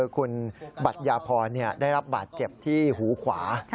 คุณบัตยาพรได้รับบาดเจ็บที่หูขวา